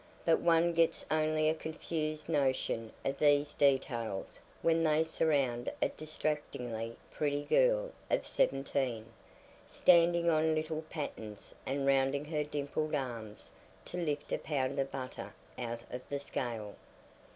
But one gets only a confused notion of these details when they surround a distractingly pretty girl of seventeen, standing on little pattens and rounding her dimpled arm to lift a pound of butter out of the scale.